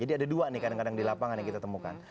ada dua nih kadang kadang di lapangan yang kita temukan